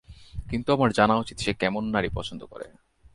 কিন্তু আমার জানা উচিত সে কেমন নারী পছন্দ করে।